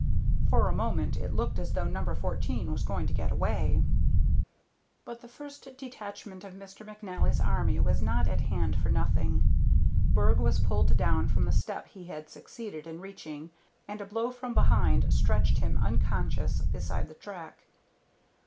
For a moment it looked as though No. 14 was going to get away. But the first detachment of Mr. McNally's army was not at hand for nothing. Berg was pulled down from the step he had succeeded in reaching, and a blow from behind stretched him unconscious beside the track.